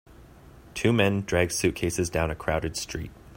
Two men drag suitcases down a crowded street.